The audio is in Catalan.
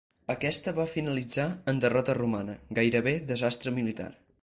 Aquesta va finalitzar en derrota romana, gairebé desastre militar.